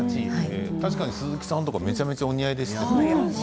確かに鈴木さんとかめちゃめちゃお似合いでした。